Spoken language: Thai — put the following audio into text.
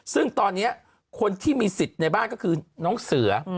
ซึ่งตอนนี้คนที่มีสิทธิ์ในบ้านก็คือน้องเสือ